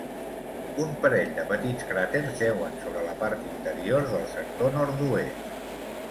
Un parell de petits cràters jeuen sobre la paret interior del sector nord-oest.